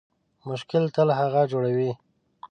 مشکل تل هغه جوړوي